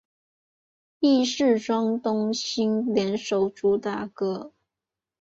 亦是庄冬昕联手主打歌。